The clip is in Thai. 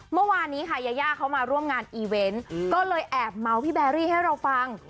เมื่อวานนี้ค่ะยายาเขามาร่วมงานอีเวนต์ก็เลยแอบเมาส์พี่แบรี่ให้เราฟัง